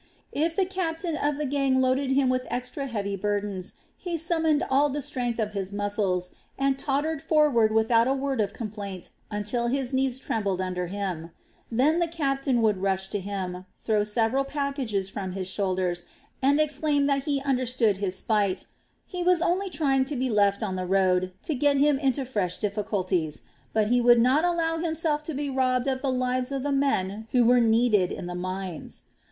If the captain of the gang loaded him with extra heavy burdens, he summoned all the strength of his muscles and tottered forward without a word of complaint until his knees trembled under him; then the captain would rush to him, throw several packages from his shoulders, and exclaim that he understood his spite; he was only trying to be left on the road, to get him into fresh difficulties; but he would not allow himself to be robbed of the lives of the men who were needed in the mines.